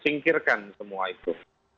singkirkan semua itu